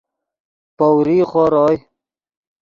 پؤریغ خور اوئے